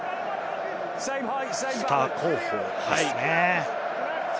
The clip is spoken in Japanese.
スター候補ですね。